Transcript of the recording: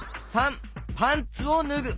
③パンツをぬぐ。